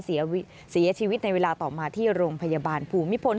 เสียชีวิตเสียชีวิตในเวลาต่อมาที่โรงพยาบาลภูมิพล